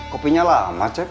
kopinya lama cek